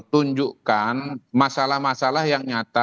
tunjukkan masalah masalah yang nyata